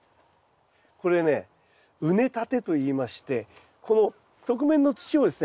これね畝立てといいましてこの側面の土をですね